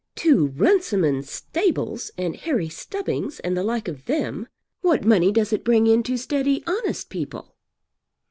"To Runciman's stables and Harry Stubbings and the like of them. What money does it bring in to steady honest people?"